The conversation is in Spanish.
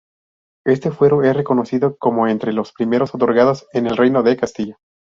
Este fuero es reconocido como entre los primeros otorgados en el reino de Castilla.